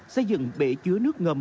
xây dựng bể chứa nước ngầm